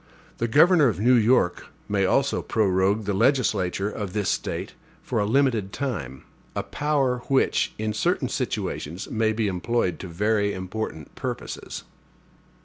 The governor of New York may also prorogue the legislature of this State for a limited time; a power which, in certain situations, may be employed to very important purposes.